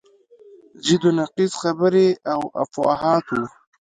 ضد و نقیض خبرې او افواهات وو.